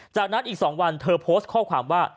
จากนั้นอีก๒วันเธอโพสต์ข้อความว่า